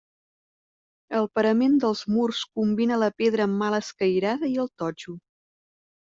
El parament dels murs combina la pedra mal escairada i el totxo.